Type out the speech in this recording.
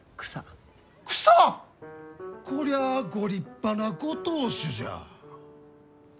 こりゃあご立派なご当主じゃ。